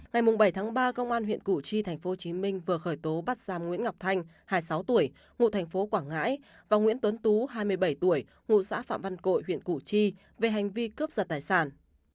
ngày bảy tháng ba công an huyện củ chi tp hcm vừa khởi tố bắt giam nguyễn ngọc thanh hai mươi sáu tuổi ngụ thành phố quảng ngãi và nguyễn tuấn tú hai mươi bảy tuổi ngụ xã phạm văn cội huyện củ chi về hành vi cướp giật tài sản